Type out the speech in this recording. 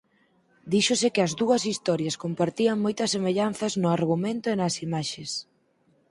Díxose que as dúas historias compartían moitas semellanzas no argumento e nas imaxes.